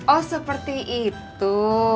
oh seperti itu